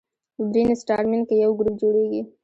په برین سټارمینګ کې یو ګروپ جوړیږي.